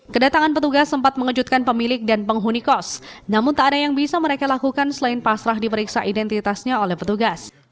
kedatangan petugas sempat mengejutkan pemilik dan penghuni kos namun tak ada yang bisa mereka lakukan selain pasrah diperiksa identitasnya oleh petugas